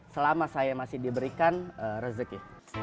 selama saya masih diberikan rezeki